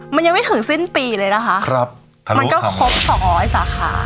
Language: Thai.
มันยังไม่ถึงสิ้นปีเลยนะคะครับมันก็ครบสองร้อยสาขา